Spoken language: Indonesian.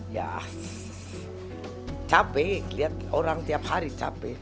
ya capek lihat orang tiap hari capek